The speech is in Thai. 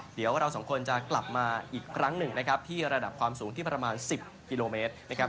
เดี๋ยวเราสองคนจะกลับมาอีกครั้งหนึ่งนะครับที่ระดับความสูงที่ประมาณ๑๐กิโลเมตรนะครับ